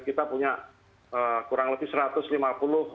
kita punya kurang lebih